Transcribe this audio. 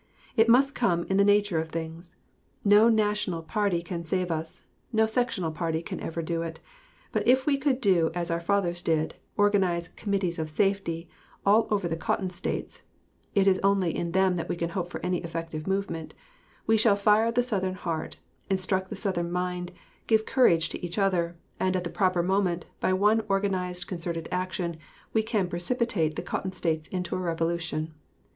It must come in the nature of things. No national party can save us; no sectional party can ever do it. But if we could do as our fathers did organize "committees of safety" all over the Cotton States (it is only in them that we can hope for any effective movement) we shall fire the Southern heart, instruct the Southern mind, give courage to each other, and at the proper moment, by one organized concerted action, we can precipitate the Cotton States into a revolution.